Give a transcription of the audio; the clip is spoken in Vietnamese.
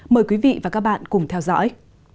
mời quý vị và các bạn cùng theo dõi